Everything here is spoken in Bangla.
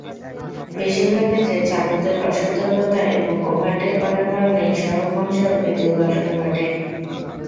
বেশির ভাগ ক্ষেত্রে চালকদের অসতর্কতা এবং ওভারটেক করার কারণেই সড়ক-মহাসড়কে দুর্ঘটনা ঘটে।